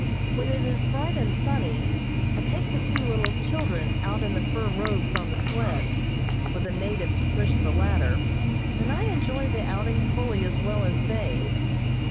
When it is bright and sunny, I take the two little children out in the fur robes on the sled, with a native to push the latter, and I enjoy the outing fully as well as they.